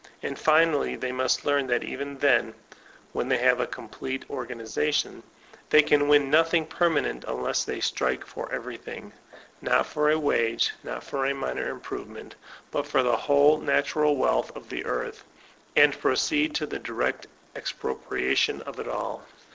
And finally they must learn that even then (when they have a complete organization), they can win nothing permanent unless they strike for everything, — not for a wage, not for a minor improvement, but for the whole natural wealth of the earth. And proceed to the direct expropriation of it all!